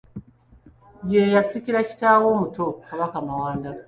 Ye yasikira kitaawe omuto Kabaka Mawanda.